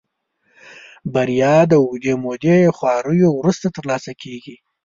بريا د اوږدې مودې خواريو وروسته ترلاسه کېږي.